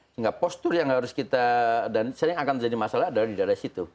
sehingga postur yang harus kita dan sering akan terjadi masalah adalah di daerah situ